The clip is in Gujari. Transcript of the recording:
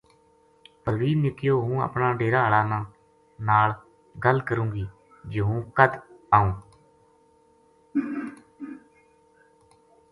پروین نے کہیو ہوں اپنا ڈیرا ہالا نال گل کروں گی جے ہوں کد آؤں